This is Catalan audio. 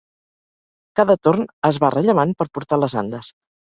Cada torn es va rellevant per portar les andes.